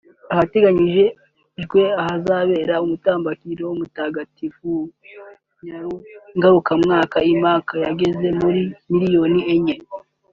ahategerejwe abazakora umutambagiro mutagatifu ngarukamwaka i Maka bagera kuri miliyoni enye